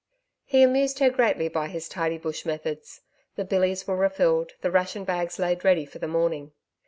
He amused her greatly by his tidy bush methods. The billies were refilled, the ration bags laid ready for the morning.